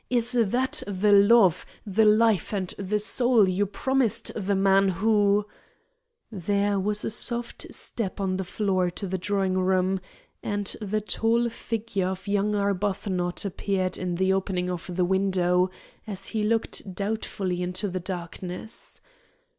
Is that the love, the life, and the soul you promised the man who " There was a soft step on the floor of the drawing room, and the tall figure of young Arbuthnot appeared in the opening of the window as he looked doubtfully out into the darkness.